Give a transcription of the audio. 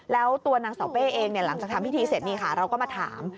แล้วตัวนางเสาเป้เองหลังจากทำพิธีเสร็จนี่ค่ะเราก็มาถาม